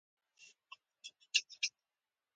موږ له مرګ له تختې را پورته کړي.